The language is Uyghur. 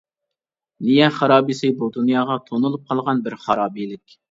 نىيە خارابىسى بۇ دۇنياغا تونۇلۇپ قالغان بىر خارابىلىك.